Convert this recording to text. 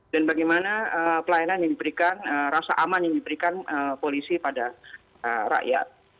dan bagaimana pelayanan yang diberikan rasa aman yang diberikan polisi pada rakyat